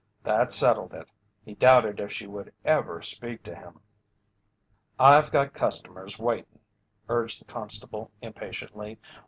That settled it! He doubted if she would ever speak to him. "I've got customers waitin'," urged the constable, impatiently.